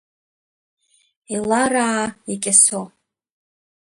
Еилараа, икьасо…